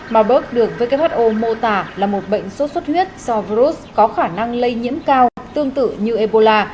mà bớt được who mô tả là một bệnh sốt xuất huyết do virus có khả năng lây nhiễm cao tương tự như ebola